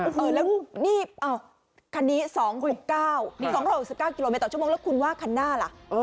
อันนี้๒๖๙กิโลเมตรต่อชั่วโมงแล้วคุณว่าคันหน้าล่ะ